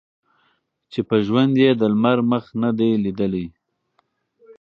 چي په ژوند یې د لمر مخ نه دی لیدلی